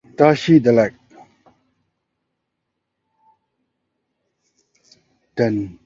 This policy still remains today.